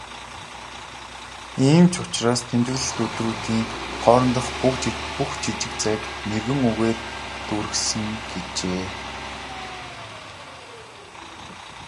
"Ийм ч учраас тэмдэглэлт өдрүүдийн хоорондох бүх жижиг зайг мэргэн үгээр дүүргэсэн" гэжээ.